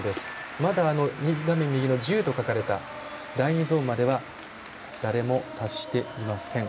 まだ画面右の１０と書かれた第２ゾーンまでは誰も達していません。